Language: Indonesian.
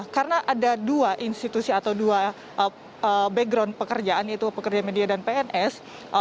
karena ada dua institusi atau dua background pekerjaan yaitu pekerja media dan pns